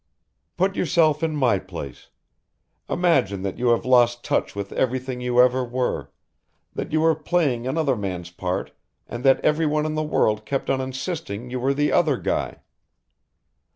Put yourself in my place. Imagine that you have lost touch with everything you ever were, that you were playing another man's part and that everyone in the world kept on insisting you were the other guy.